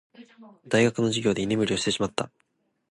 大学の授業で居眠りをしてしまった。